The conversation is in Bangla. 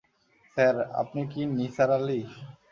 স্যার, আপনি কি নিসার আলি?